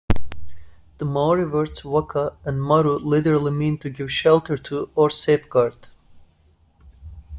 The Maori words 'whaka' and 'maru' literally mean to give shelter to, or safeguard.